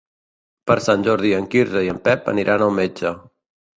Per Sant Jordi en Quirze i en Pep aniran al metge.